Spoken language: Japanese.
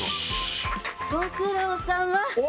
ご苦労さま。